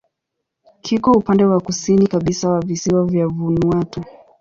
Kiko upande wa kusini kabisa wa visiwa vya Vanuatu.